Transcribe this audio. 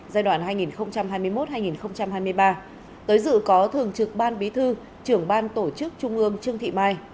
giai đoạn hai nghìn hai mươi một hai nghìn hai mươi ba tới dự có thường trực ban bí thư trưởng ban tổ chức trung ương trương thị mai